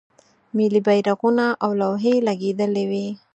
ملی بیرغونه او لوحې لګیدلې وې.